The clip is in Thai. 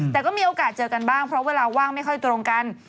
แต่ก็มีโอกาสเจอกันบ้างเพราะเวลาว่างไม่ค่อยตรงกัน